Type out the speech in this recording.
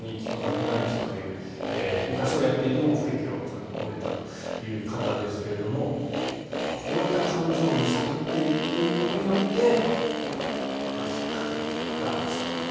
フナイムさんという昔はやっていて服役を終えた方ですがこういった、感情を揺さぶっていくことによってひっかけるというかだますという。